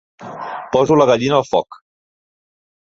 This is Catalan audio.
Poso la gallina al foc.